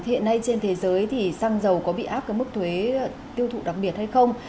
hiện nay trên thế giới thì xăng dầu có bị áp cái mức thuế tiêu thụ đặc biệt hay không